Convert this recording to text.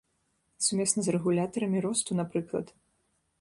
Сумесна з рэгулятарамі росту, напрыклад.